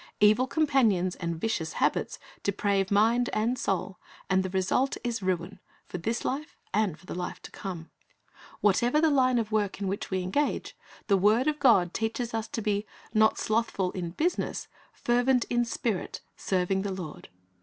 Evil companions and vicious habits deprave mind and soul, and the result is ruin for this life and for the life to come. 346 C li r i s t ' s O bj c c t Lessons Whatever the line of work in which we engage, the word of God teaches us to be "not slothful in business; fervent in spirit; serving the Lord."